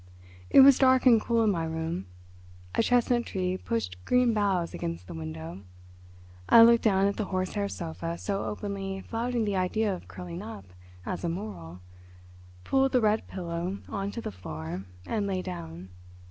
It was dark and cool in my room. A chestnut tree pushed green boughs against the window. I looked down at the horsehair sofa so openly flouting the idea of curling up as immoral, pulled the red pillow on to the floor and lay down.